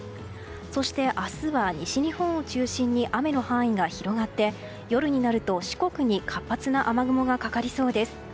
そして、明日は西日本を中心に雨の範囲が広がって夜になると四国に活発な雨雲がかかりそうです。